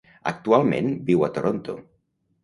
Actualment viu a Toronto.